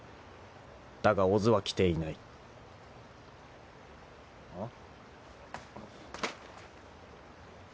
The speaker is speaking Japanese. だが小津は来ていないん？